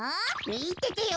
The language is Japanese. みててよ。